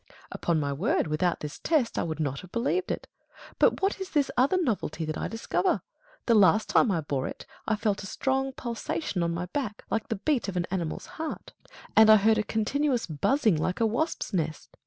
Hercules. Upon my word, without this test, I would not have believed it. But what is this other novelty that I discover ? The last time I bore it, I felt a strong pulsation on my back, like the beat of an animal's heart ; i6 DIALOGUE BETWEEN and I heard a continuous buzzing like a wasp's nest.